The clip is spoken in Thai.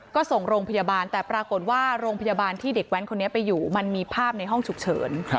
ก็ส่งโรงพยาบาลแต่ปรากฏว่าโรงพยาบาลที่เด็กแว้นคนนี้ไปอยู่มันมีภาพในห้องฉุกเฉิน